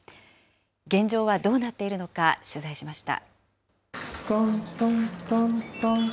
現状はどうなっているのか、取材しました。